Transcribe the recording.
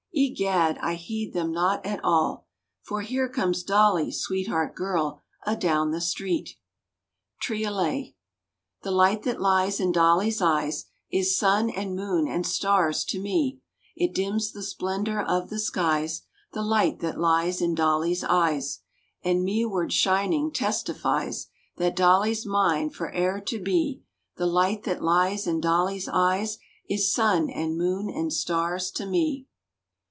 — Egad! I heed them not at all; For here comes Dolly—sweetheart girl!— Adown the street! Triolet— The light that lies in Dolly's eyes Is sun and moon and stars to me; It dims the splendor of the skies— The light that lies in Dolly's eyes— And me ward shining, testifies That Dolly's mine, fore'er to be— The light that lies in Dolly's eyes Is sun and moon and stars to me!